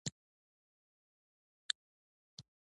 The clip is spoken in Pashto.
احمد وویل تتارا اوږده خوله لري.